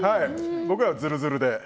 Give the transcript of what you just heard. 僕らは、ずるずるで。